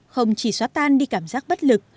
không chỉ xóa tan đi cảm giác bất lực